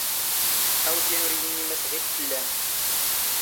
ⴰⵡⴷ ⵢⴰⵏ ⵓⵔ ⵉⵢⵉ ⵉⵏⵏⵉ ⵎⴰⵙ ⵖⵉⴷ ⵜⵍⵍⴰⵎ.